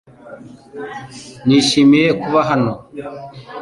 Nishimiye kuba hano .